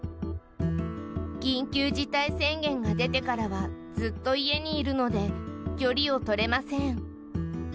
緊急事態宣言が出てからはずっと家にいるので距離を取れません。